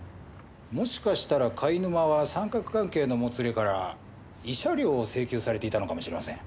もしかしたら貝沼は三角関係のもつれから慰謝料を請求されていたのかもしれません。